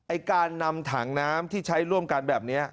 การนำถังน้ำที่ใช้ร่วมกันแบบนี้